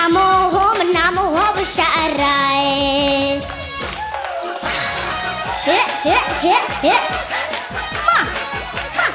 โมโฮโมโฮโมโฮ